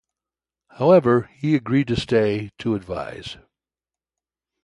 However, he agreed to stay to advise.